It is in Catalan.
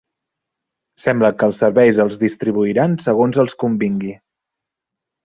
Sembla que els serveis els distribuiran segons els convingui.